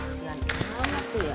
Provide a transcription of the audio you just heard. sian banget tuh ya